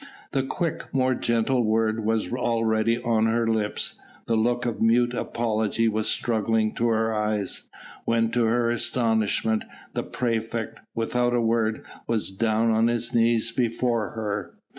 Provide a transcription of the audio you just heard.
The quick, more gentle word was already on her lips, the look of mute apology was struggling to her eyes, when to her astonishment the praefect, without a word, was down on his knees before her.